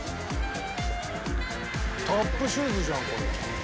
タップシューズじゃんこれ。